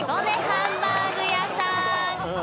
ハンバーグ屋さん］